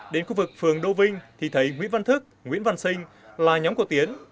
đến khu vực phường đô vinh thì thấy nguyễn văn thức nguyễn văn sinh là nhóm của tiến